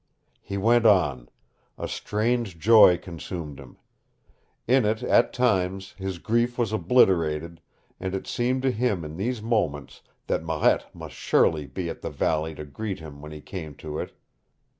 He went on. A strange joy consumed him. In it, at times, his grief was obliterated, and it seemed to him in these moments that Marette must surely be at the valley to greet him when he came to it.